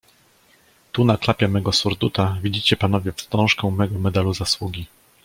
"Tu, na klapie mego surduta, widzicie panowie wstążkę mego medalu zasługi."